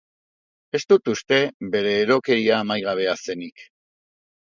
Ez dut uste bere erokeria amaigabea zenik.